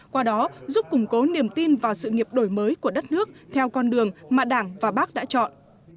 qua đó giúp củng cố niềm tin vào sự nghiệp đổi mới của đất nước theo con đường mà đảng và bác đã chọn